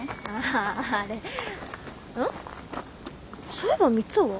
そういえば三生は？